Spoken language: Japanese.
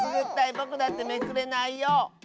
ぼくだってめくれないよ。